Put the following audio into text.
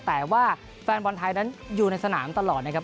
แต่ว่าแฟนบอลไทยนั้นอยู่ในสนามตลอดนะครับ